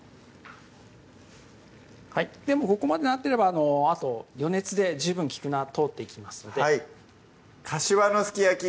はいここまでなってればあと余熱で十分菊菜は通っていきますので「かしわのすき焼き」